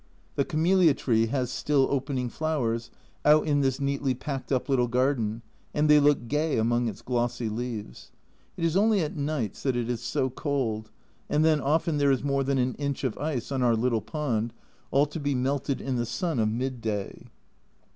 The Camellia tree has still opening flowers, out in this neatly packed up little garden, and they look gay among its glossy leaves. It is only at nights that it is so cold, and then often there is more than an inch of ice on our little pond, all to be melted in the sun of midday.